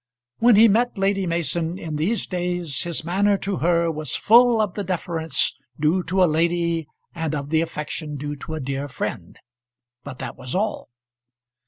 When he met Lady Mason in these days his manner to her was full of the deference due to a lady and of the affection due to a dear friend; but that was all.